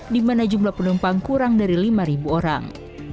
di mana jumlah penumpang kurang dari lima orang